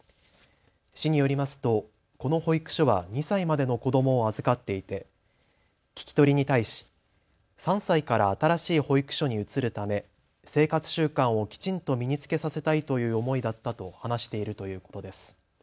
市によりますとこの保育所は２歳までの子どもを預かっていて聞き取りに対し、３歳から新しい保育所に移るため生活習慣をきちんと身につけさせたいという思いだったと話しているということです。